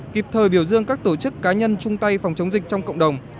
kịp thời biểu dương các tổ chức cá nhân chung tay phòng chống dịch trong cộng đồng